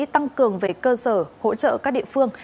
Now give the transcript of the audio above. tăng cường về cơ sở hỗ trợ các địa phương